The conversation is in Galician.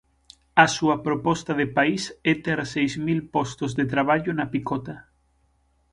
A súa proposta de país é ter seis mil postos de traballo na picota.